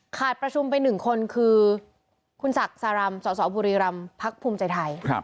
ประชุมไป๑คนคือคุณศักดิ์สารำสสบุรีรำพักภูมิใจไทย